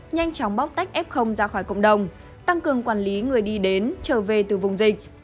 nhanh chóng bóc tách f ra khỏi cộng đồng tăng cường quản lý người đi đến trở về từ vùng dịch